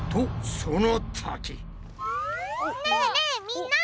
ねえねえみんな！